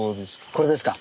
これですか？